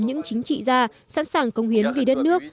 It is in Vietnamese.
những chính trị gia sẵn sàng công hiến vì đất nước